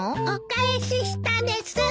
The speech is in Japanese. お返ししたです。